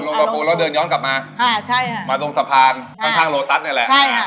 ลงตะปูนแล้วเดินย้อนกลับมาอ่าใช่ฮะมาตรงสะพานข้างโรตัสนี่แหละใช่ฮะ